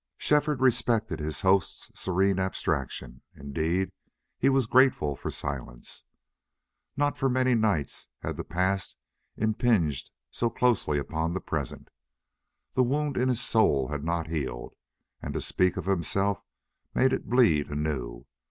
Shefford respected his host's serene abstraction. Indeed, he was grateful for silence. Not for many nights had the past impinged so closely upon the present. The wound in his soul had not healed, and to speak of himself made it bleed anew.